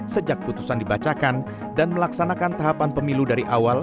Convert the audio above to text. sejak putusan dibacakan dan melaksanakan tahapan pemilu dari awal